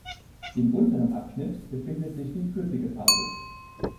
Im unteren Abschnitt befindet sich die flüssige Phase.